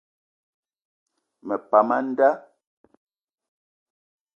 Me pam a nda.